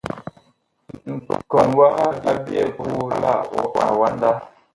Nkɔŋ waha a byɛɛ koo la awanda.